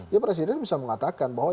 ya presiden bisa mengatakan bahwa